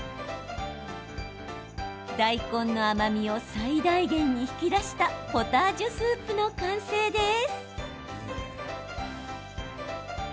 大根の甘みを最大限に引き出したポタージュスープの完成です。